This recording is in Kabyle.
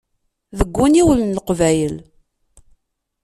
Deg uniwel n leqbayel.